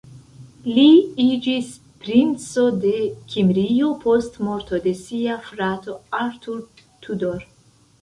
Li iĝis Princo de Kimrio post morto de sia frato Arthur Tudor.